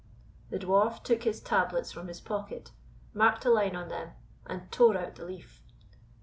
The Dwarf took his tablets from his pocket, marked a line on them, and tore out the leaf.